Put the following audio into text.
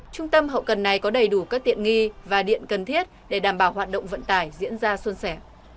trung tâm hậu cần này có đầy đủ các tiện nghi và điện cần thiết để đảm bảo hoạt động vận tải diễn ra xuân sẻ